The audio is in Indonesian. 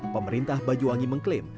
pemerintah banyuwangi mengklaim